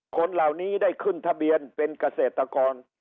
คนเหล่านี้ได้ขึ้นทะเบียนเป็นเกษตรกร